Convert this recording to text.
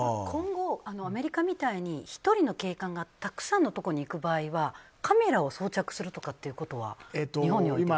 今後、アメリカみたいに１人の警官がたくさんのところに行く場合はカメラを装着するとかということは日本では？